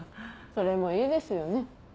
それもいいですよね。